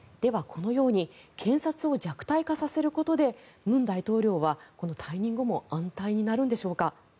このように検察を弱体化させることで文大統領は退任後も安泰になるんでしょうか。